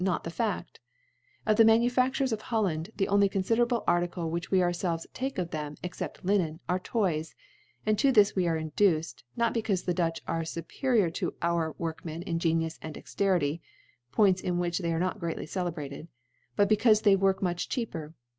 aot (90 not the Faft, "Of the ManuFafturcs of H^ Jand^ the only conQdcrablc Article which wc ourfelves take of them, except Linen, are Toys i and to this we are induced, not be caulc the DuUb arc fuperior to our Work men in Genius and Dexterity, (Points in which they are not greatly celebrated) but becaufe they work much cheaper.